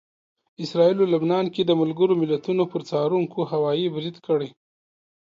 اسراییلو لبنان کې د ملګرو ملتونو پر څارونکو هوايي برید کړی